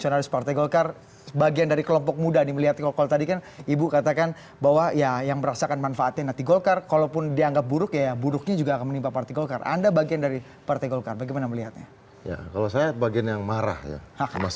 apakah akomodatif atau tidak